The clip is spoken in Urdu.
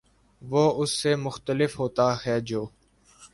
وہ اس سے مختلف ہوتا ہے جو